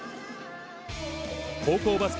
高校バスケ